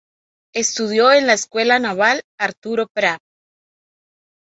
Estudió en la Escuela Naval Arturo Prat.